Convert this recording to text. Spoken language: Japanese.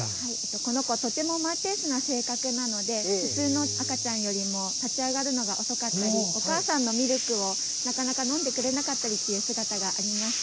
この子、とてもマイペースな性格だったので、普通の赤ちゃんよりも立ち上がるのが遅かったり、お母さんのミルクをなかなか飲んでくれなかったりという姿がありました。